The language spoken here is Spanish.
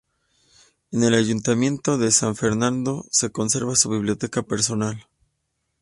En el Ayuntamiento de San Fernando se conserva su biblioteca personal.